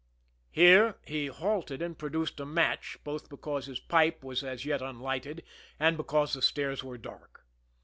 Here, he halted and produced a match, both because his pipe was as yet unlighted, and because the stairs were dark.